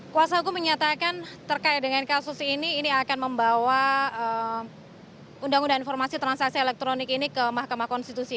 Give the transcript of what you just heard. kuasa hukum menyatakan terkait dengan kasus ini ini akan membawa undang undang informasi transaksi elektronik ini ke mahkamah konstitusi